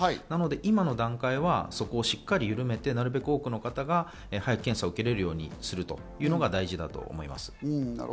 なので今の段階はそこをしっかりゆるめて、なるべく多くの方が早く検査を受けられるようにするというのが大事だと思います。